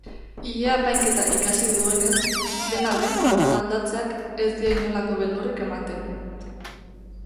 Ile-apainketa ikasi duenez, dena den, aldatzeak ez dio inolako beldurrik ematen.